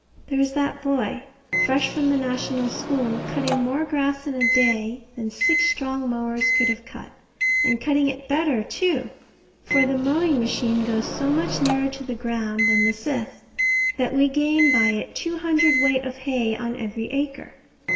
There is that boy, fresh from the National School, cutting more grass in a day than six strong mowers could have cut, and cutting it better, too; for the mowing machine goes so much nearer to the ground than the scythe, that we gain by it two hundredweight of hay on every acre.